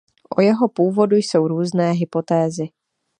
O jeho původu jsou různé hypotézy.